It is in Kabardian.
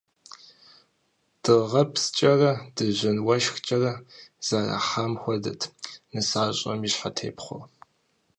Дыгъэпскӏэрэ, дыжьын уэшхкӏэрэ зэрахъам хуэдэт нысащӏэм и щхьэтепхъуэр.